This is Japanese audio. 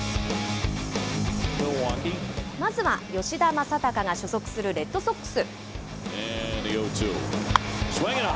まずは吉田正尚が所属するレッドソックス。